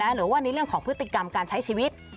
หรือว่าในเรื่องของพฤติกรรมการใช้ชีวิต